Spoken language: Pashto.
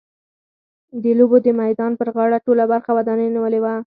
د لوبو د میدان پر غاړه ټوله برخه ودانیو نیولې وه.